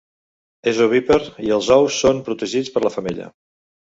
És ovípar i els ous són protegits per la femella.